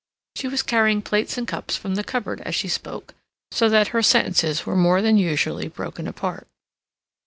She was carrying plates and cups from the cupboard as she spoke, so that her sentences were more than usually broken apart.